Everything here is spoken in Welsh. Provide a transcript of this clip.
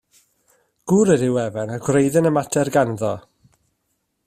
Gŵr ydyw Evan a gwreiddyn y mater ganddo.